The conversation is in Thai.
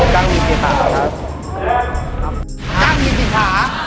จ้างกรีกีฟ้า